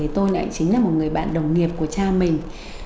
tôi lại chính là một người bạn đồng nghiệp của cha mình